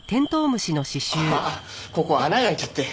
ああここ穴が開いちゃって。